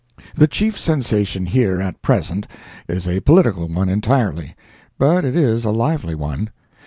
The chief sensation here at present is a political one entirely, but it is a lively one.